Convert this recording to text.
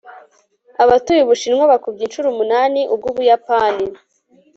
abatuye ubushinwa bakubye inshuro umunani ubw'ubuyapani